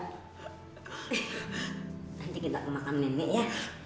nanti kita ke makam nenek ya